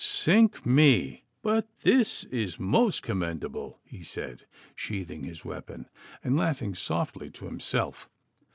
'Sink me, but this is most commendable!' he said, sheathing his weapon, and laughing softly to himself.